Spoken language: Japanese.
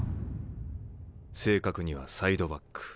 正確にはサイドバック。